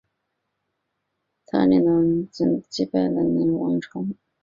他领导奥斯曼军队击败了尕勒莽王朝。